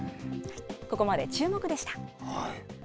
ここまでチューモク！でした。